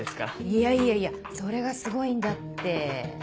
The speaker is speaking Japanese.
いやいやいやそれがすごいんだって。